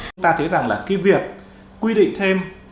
chúng ta thấy rằng là cái việc quy định thêm